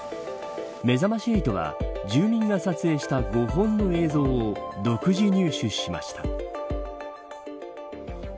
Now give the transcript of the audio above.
めざまし８は、住民が撮影した５本の映像を独自入手しました。